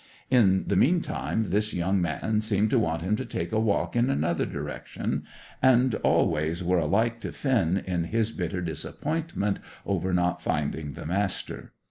In the meantime this young man seemed to want him to take a walk in another direction, and all ways were alike to Finn in his bitter disappointment over not finding the Master.